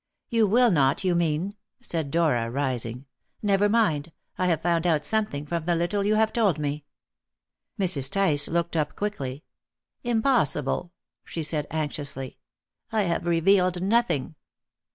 "You will not, you mean," said Dora, rising. "Never mind, I have found out something from the little you have told me." Mrs. Tice looked up quickly. "Impossible," she said anxiously. "I have revealed nothing."